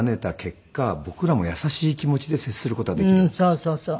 そうそうそう。